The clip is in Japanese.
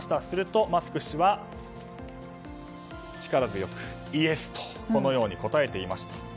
するとマスク氏は力強くイエスとこのように答えていました。